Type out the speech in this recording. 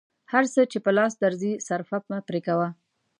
هر څه چې په لاس درځي صرفه مه پرې کوه.